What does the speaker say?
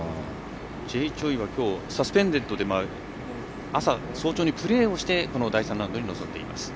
Ｊ．チョイはサスペンデッドだったので朝プレーをして第３ラウンドに臨んでいます。